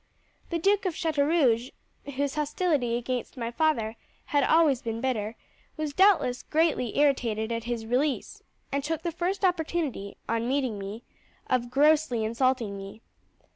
The Duke of Chateaurouge, whose hostility against my father had always been bitter, was doubtless greatly irritated at his release, and took the first opportunity, on meeting me, of grossly insulting me.